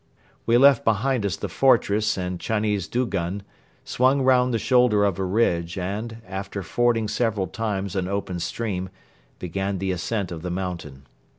We left behind us the fortress and Chinese dugun, swung round the shoulder of a ridge and, after fording several times an open stream, began the ascent of the mountain.